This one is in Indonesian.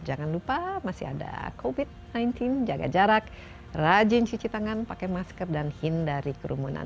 jangan lupa masih ada covid sembilan belas jaga jarak rajin cuci tangan pakai masker dan hindari kerumunan